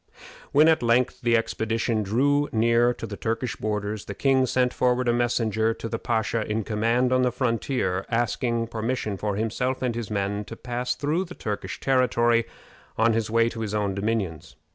When at length the expedition drew near to the Turkish borders, the king sent forward a messenger to the pasha in command on the frontier, asking permission for himself and his men to pass through the Turkish territory on his way to his own dominions.